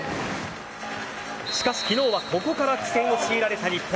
しかし、昨日はここから苦戦を強いられた日本。